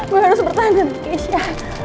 gue harus bertahan dari keisha